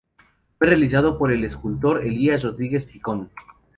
Fue realizado por el escultor Elías Rodríguez Picón.